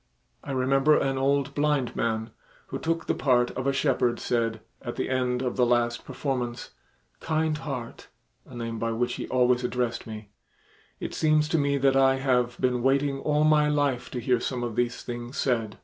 I remember an old blind man, who took the part of a shepherd, said, at the end of the last performance, "Kind Heart," a name by which he always addressed me, "it seems to me that I have been waiting all my life to hear some of these things said.